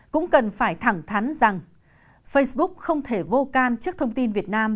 cũng cần phải thẳng thắn rằng facebook không thể vô can trước thông tin việt nam